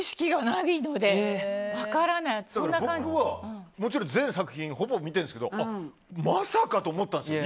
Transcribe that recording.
僕はもちろん、全作品ほぼ見てるんですけどまさかと思ったんですよ。